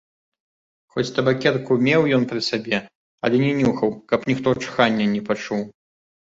Хоць табакерку меў ён пры сабе, але не нюхаў, каб ніхто чхання не пачуў.